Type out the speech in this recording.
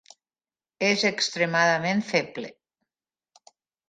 És extremadament feble.